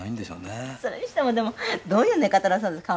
黒柳：それにしても、でもどういう寝方なさるんですか？